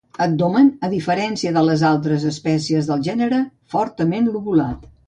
Abdomen, a diferència de les altres espècies del gènere, fortament lobulat.